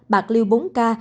bạc liêu bốn ca